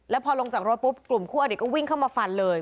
แล้วพอลงจากรถปุ๊บกลุ่มคู่อดีตก็วิ่งเข้ามาฟันเลย